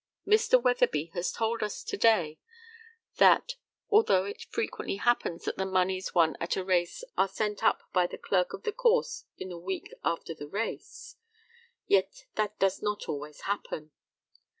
Mr. Weatherby has told us to day that, although it frequently happens that the moneys won at a race are sent up by the clerk of the course in a week after the race, yet that does not always happen.